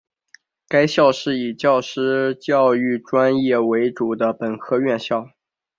该校是以教师教育专业为主的本科院校。